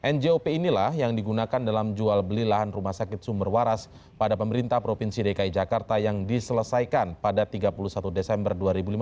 njop inilah yang digunakan dalam jual beli lahan rumah sakit sumber waras pada pemerintah provinsi dki jakarta yang diselesaikan pada tiga puluh satu desember dua ribu lima belas